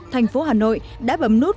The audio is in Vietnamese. thành phố hà nội đã bấm nút